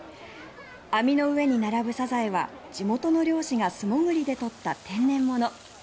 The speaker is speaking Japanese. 網の上に並ぶサザエは地元の漁師が素潜りで取った天然物。